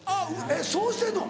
えっそうしてんの？